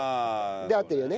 で合ってるよね？